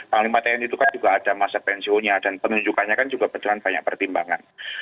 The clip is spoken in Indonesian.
panglima tni itu kan juga ada masa pensiunnya dan penunjukannya kan juga berjalan banyak pertimbangan